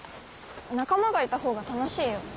仲間がいた方が楽しいよ。